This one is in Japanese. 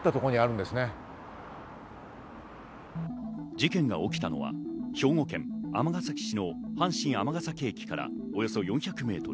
事件が起きたのは兵庫県尼崎市の阪神尼崎駅からおよそ４００ｍ。